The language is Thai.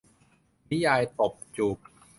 นิยายตบจูบ